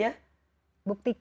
yang ketiga ikuti perintahku